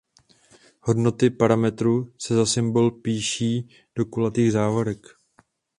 Hodnoty parametru se za symbol píší do kulatých závorek.